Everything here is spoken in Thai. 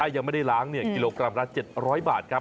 ยังไม่ได้ล้างกิโลกรัมละ๗๐๐บาทครับ